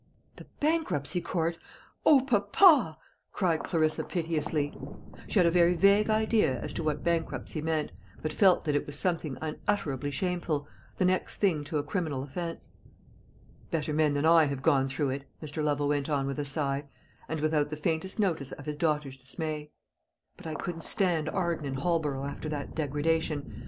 "The bankruptcy court! O, papa!" cried Clarissa piteously. She had a very vague idea as to what bankruptcy meant, but felt that it was something unutterably shameful the next thing to a criminal offence. "Better men than I have gone through it," Mr. Lovel went on with a sigh, and without the faintest notice of his daughter's dismay; "but I couldn't stand Arden and Holborough after that degradation.